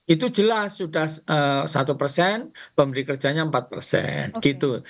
itu jelas sudah satu persen pemberi kerjanya empat persen gitu